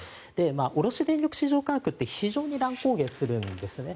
卸電力市場価格って非常に乱高下するんですね。